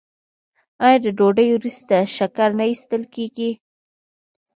آیا د ډوډۍ وروسته شکر نه ایستل کیږي؟